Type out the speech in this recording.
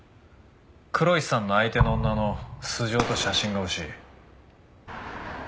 黒石さんの相手の女の素性と写真が欲しい。